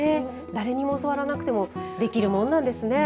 誰にも教わらなくてもできるものなんですね。